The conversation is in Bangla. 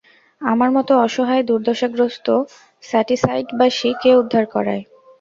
আমার মতো অসহায়, দুর্দশাগ্রস্ত শ্যাডিসাইডবাসী কে উদ্ধার করায়।